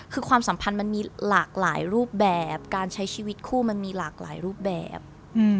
คือความสัมพันธ์มันมีหลากหลายรูปแบบการใช้ชีวิตคู่มันมีหลากหลายรูปแบบ